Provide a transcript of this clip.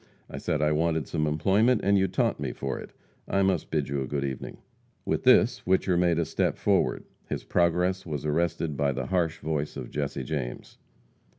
I said I wanted some employment, and you taunt me for it. I must bid you good evening." With this, Whicher made a step forward. His progress was arrested by the harsh voice of Jesse James.